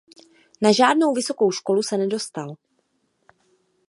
Na žádnou vysokou školu se nedostal.